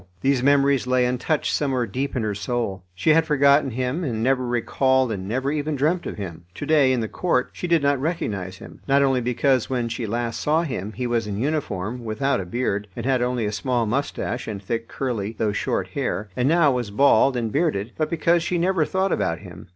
These memories lay untouched somewhere deep in her soul; she had forgotten him, and never recalled and never even dreamt of him. To day, in the court, she did not recognise him, not only because when she last saw him he was in uniform, without a beard, and had only a small moustache and thick, curly, though short hair, and now was bald and bearded, but because she never thought about him.